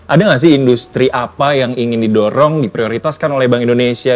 ada nggak sih industri apa yang ingin didorong diprioritaskan oleh bank indonesia